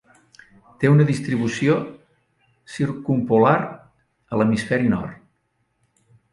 Té una distribució circumpolar a l'hemisferi nord.